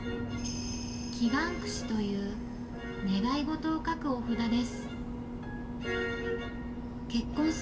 祈願串という願い事を書くお札です。